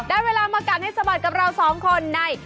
ได้เวลามากัดให้สะบัดกับเราสองคนใน